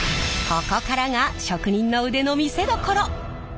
ここからが職人の腕の見せどころ！